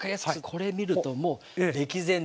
これ見るともう歴然ですので。